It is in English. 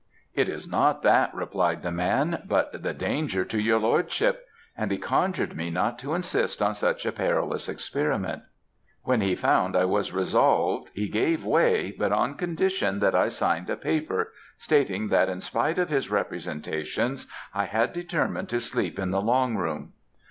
"'It is not that,' replied the man; 'but the danger to your lordship,' and he conjured me not to insist on such a perilous experiment. "When he found I was resolved, he gave way, but on condition that I signed a paper, stating that in spite of his representations I had determined to sleep in the long room.